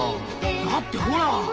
だってほら。